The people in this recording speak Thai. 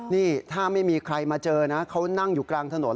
นี่ถ้าไม่มีใครมาเจอนะเขานั่งอยู่กลางถนน